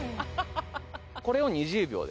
これを２０秒で。